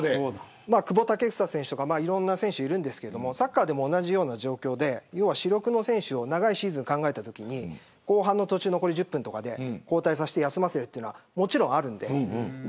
久保建英選手とかいろんな選手いますがサッカーでも同じような状況で要は主力の選手を長いシーズン考えたときに後半の途中残り１０分とかで交代させて休ませるのはもちろんあります。